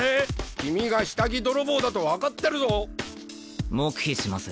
君が下着泥棒だと分かってるぞ黙秘します